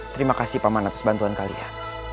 terima kasih paman atas bantuan kalian